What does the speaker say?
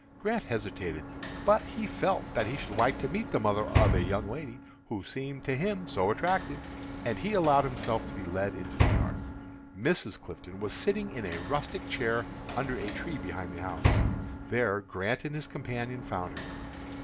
Grant hesitated, but he felt that he should like to meet the mother of a young lady who seemed to him so attractive, and he allowed himself to be led into the yard. Mrs. Clifton was sitting in a rustic chair under a tree behind the house. There Grant and his companion found her.